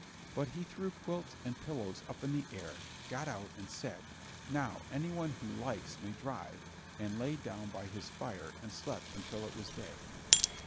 But he threw quilts and pillows up in the air, got out and said: "Now any one who likes may drive," and lay down by his fire, and slept until it was day.